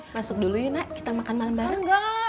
masuk dulu yuk nak kita makan malam bareng